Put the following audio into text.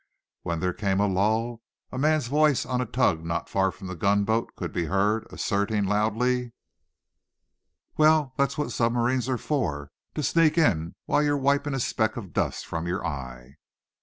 When there came a lull, a man's voice on a tug not far from the gunboat could be heard, asserting loudly: "Well, that's what submarines are for to sneak in while you're wiping a speck of dust from your eye!"